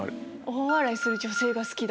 「大笑いする女性が好き！」。